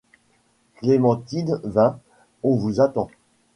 Clémentine vint : On vous attend.